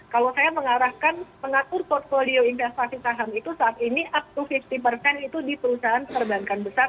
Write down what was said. kalau saya mengarahkan mengatur portfolio investasi saham itu saat ini up to lima puluh persen itu di perusahaan perbankan besar